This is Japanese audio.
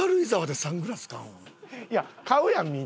いや買うやん